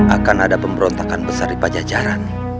akan ada pemberontakan besar di pajajaran